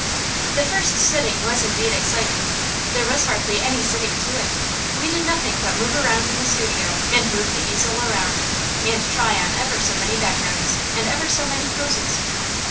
The first sitting was indeed exciting. There was hardly any sitting to it. We did nothing but move around the studio, and move the easel around, and try on ever so many backgrounds, and ever so many poses.